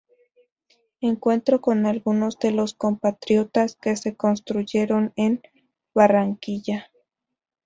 Encuentro con algunos de los compatriotas que se construyeron en Barranquilla.